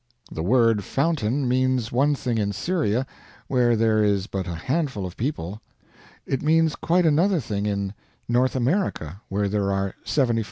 The word fountain means one thing in Syria, where there is but a handful of people; it means quite another thing in North America, where there are 75,000,000.